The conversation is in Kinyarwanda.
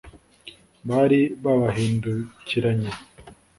bari babahindukiranye